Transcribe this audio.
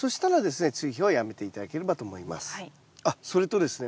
あっそれとですね